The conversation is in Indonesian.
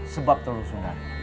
sebab tolong sundari